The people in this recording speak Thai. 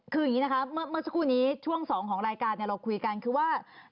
ทุกช่วงละครว่า